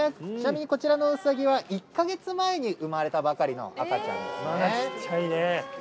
ちなみに、こちらのうさぎは１か月前に生まれたばかりの赤ちゃんですね。